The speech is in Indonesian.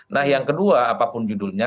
nah yang kedua apapun judulnya